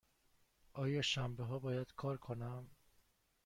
آیا شنبه ها باید کار کنم؟